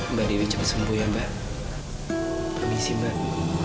mbak dewi cepat sembuh ya mbak permisi mbak